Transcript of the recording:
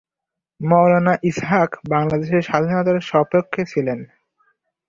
মাওলানা ইসহাক বাংলাদেশের স্বাধীনতার সপক্ষে ছিলেন।